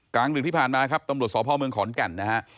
กลางดึกที่ผ่านมาครับตำรวจสพเมืองขอนแก่นนะฮะ